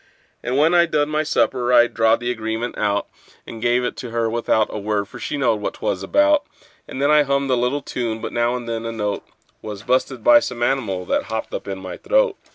And when I'd done my supper I drawed the agreement out, And give it to her without a word, for she knowed what 'twas about; And then I hummed a little tune, but now and then a note Was bu'sted by some animal that hopped up in my throat.